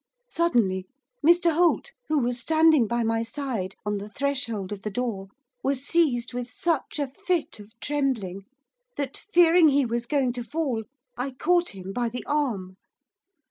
Suddenly Mr Holt, who was standing by my side on the threshold of the door, was seized with such a fit of trembling, that, fearing he was going to fall, I caught him by the arm.